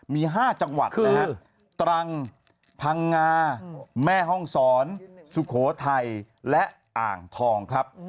มี๕จังหวัดนะฮะตรังพังงาแม่ห้องศรสุโขทัยและอ่างทองครับ